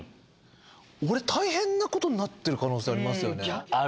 俺大変なことになってる可能性ありますよね。